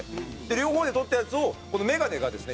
両方で撮ったやつをこのメガネがですね